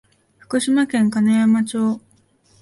福島県金山町